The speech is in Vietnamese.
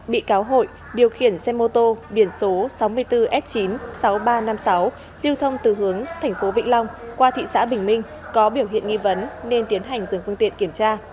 bị cáo hội điều khiển xe mô tô biển số sáu mươi bốn s chín mươi sáu nghìn ba trăm năm mươi sáu lưu thông từ hướng tp vĩnh long qua thị xã bình minh có biểu hiện nghi vấn nên tiến hành dừng phương tiện kiểm tra